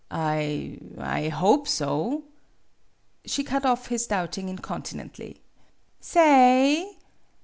"I I hope so ' She cut off his doubting incontinently. " Sa ay!